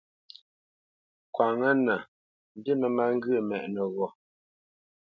Kwǎnŋə́nə mbî mə má ŋgyə̂ mɛ́ʼnə́ ghô.